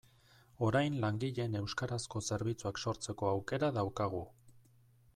Orain langileen euskarazko zerbitzuak sortzeko aukera daukagu.